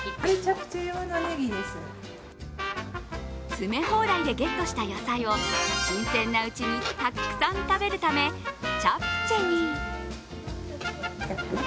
詰め放題でゲットした野菜を新鮮なうちにたくさん食べるためチャプチェに。